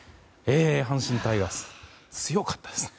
阪神タイガース強かったですね。